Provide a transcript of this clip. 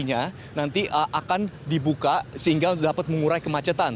ini nanti akan dibuka sehingga dapat mengurai kemacetan